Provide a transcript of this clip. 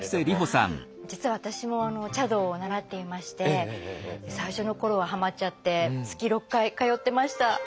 実は私も茶道を習っていまして最初の頃はハマっちゃって月６回通ってました。